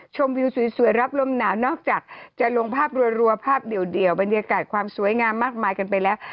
วิวสวยรับลมหนาวนอกจากจะลงภาพรัวภาพเดี่ยวบรรยากาศความสวยงามมากมายกันไปแล้ว